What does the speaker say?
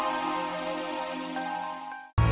menurut tante kalau ingat tante